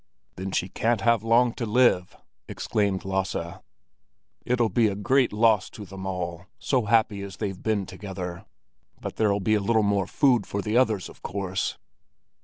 "Then she can't have long to live," exclaimed Lasse. "It'll be a great loss to them all, so happy as they've been together. But there'll be a little more food for the others, of course."